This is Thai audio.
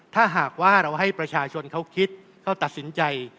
ถ้าหากว่าเราให้ประชาชนเขาคิดเขาตัดสินใจ